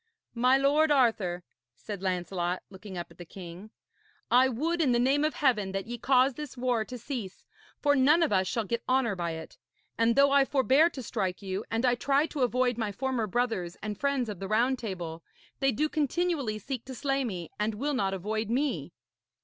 'My lord Arthur,' said Lancelot, looking up at the king, 'I would in the name of Heaven that ye cause this war to cease, for none of us shall get honour by it. And though I forbear to strike you and I try to avoid my former brothers and friends of the Round Table, they do continually seek to slay me and will not avoid me.'